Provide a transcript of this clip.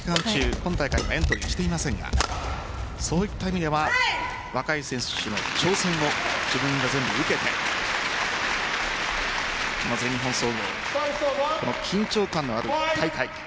今大会エントリーしていませんがそういった意味では若い選手の挑戦を自分が全部受けて全日本総合この緊張感のある大会。